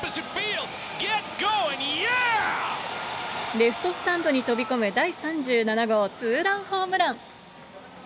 レフトスタンドに飛び込む第３７号ツーランホームラン。